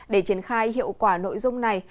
để triển khai hiệu quả nội dung này